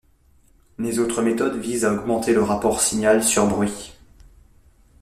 Les autres méthodes visent à augmenter le rapport signal sur bruit.